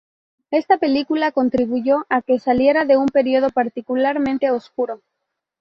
Esta película contribuyó a que saliera de un período particularmente oscuro.